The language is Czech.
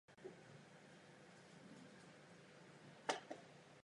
Na okraji misky sedí moucha.